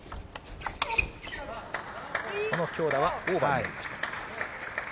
この強打はオーバーになりました。